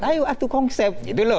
ayo itu konsep gitu loh